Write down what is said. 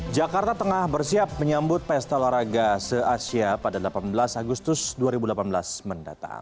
jakarta tengah bersiap menyambut pesta olahraga se asia pada delapan belas agustus dua ribu delapan belas mendatang